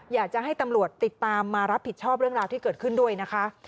อยากจะให้ตำรวจติดตามมารับผิดชอบเรื่องราวที่เกิดขึ้นด้วยนะคะ